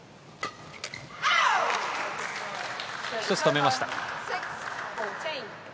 １つ止めました。